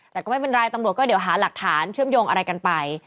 แต่ก็ไม่เป็นไรตำรวจก็เดี๋ยวหาหลักฐานเชื่อมโยงอะไรกันไป